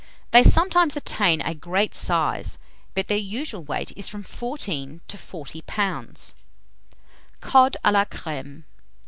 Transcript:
They sometimes attain a great size, but their usual weight is from 14 to 40 lbs. COD A LA CREME.